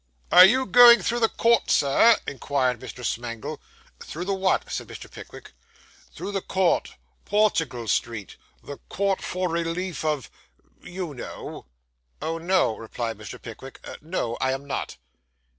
'Are you going through the court, sir?' inquired Mr. Smangle. 'Through the what?' said Mr. Pickwick. 'Through the court Portugal Street the Court for Relief of you know.' 'Oh, no,' replied Mr. Pickwick. 'No, I am not.